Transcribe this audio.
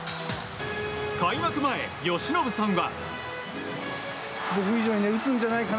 開幕前、由伸さんは。